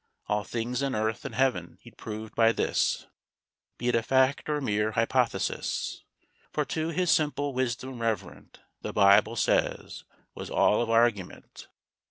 All things in Earth and Heav'n he'd prove by this, Be it a fact or mere hypothesis; For to his simple wisdom, reverent, "The Bible says" was all of argument.